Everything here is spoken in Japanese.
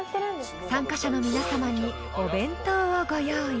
［参加者の皆さまにお弁当をご用意］